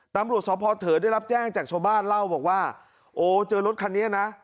ตำรวจสพเถอได้รับแจ้งจากชาวบ้านเล่าบอกว่าโอ้เจอรถคันนี้นะ